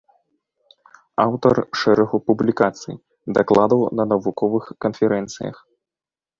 Аўтар шэрагу публікацый, дакладаў на навуковых канферэнцыях.